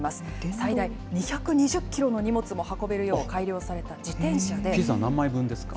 最大２２０キロの荷物も運べるよう改良された自転車で。